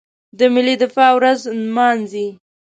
د ملي دفاع ورځ نمانځي.